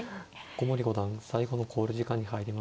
古森五段最後の考慮時間に入りました。